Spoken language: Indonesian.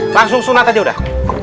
langsung sunat aja udah